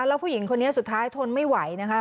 แล้วผู้หญิงคนนี้สุดท้ายทนไม่ไหวนะคะ